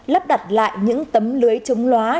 lắp đặt lại những tấm lưới chống lóa